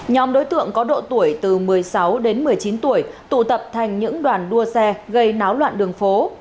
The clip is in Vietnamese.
nhóm đối tượng có độ tuổi từ một mươi sáu đến một mươi chín tuổi tụ tập thành những đoàn đua xe gây náo loạn đường phố